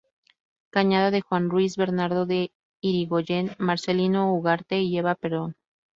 Cañada de Juan Ruiz, Bernardo de Irigoyen, Marcelino Ugarte y Eva Perón.